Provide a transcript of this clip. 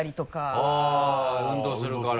あぁ運動するから。